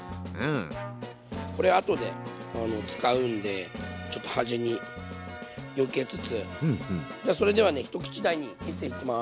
これ後で使うんでちょっと端によけつつそれではね一口大に切っていきます。